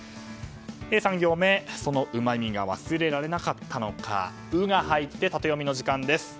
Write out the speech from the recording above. ３行目そのうまみが忘れられなかったのか「ウ」が入ってタテヨミの時間です。